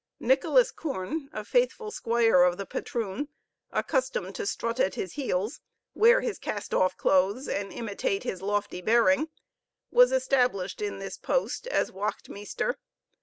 Nicholas Koorn, a faithful squire of the patroon, accustomed to strut at his heels, wear his cast off clothes, and imitate his lofty bearing, was established in this post as wacht meester.